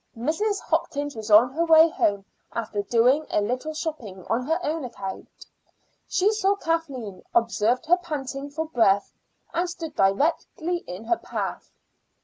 Mrs. Hopkins was on her way home after doing a little shopping on her own account. She saw Kathleen, observed her panting for breath, and stood directly in her path.